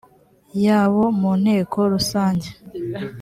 yabo mu nteko rusange